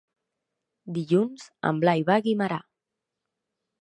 Dilluns en Blai va a Guimerà.